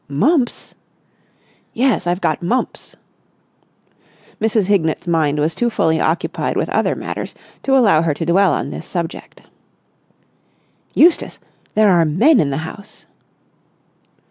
"Mumps!" "Yes, I've got mumps." Mrs. Hignett's mind was too fully occupied with other matters to allow her to dwell on this subject. "Eustace, there are men in the house!"